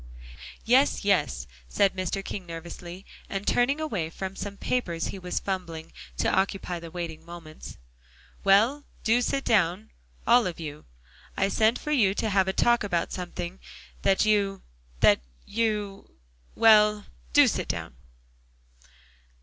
"Yes, yes," said Mr. King nervously, and turning away from some papers he was fumbling to occupy the waiting moments. "Well, do sit down, all of you. I sent for you to have a talk about something that you that you well, do sit down."